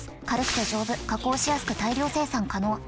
軽くて丈夫加工しやすく大量生産可能。